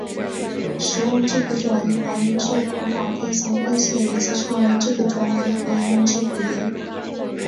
使用质子转移反应质谱法进行分析的仪器称为质子转移反应质谱仪。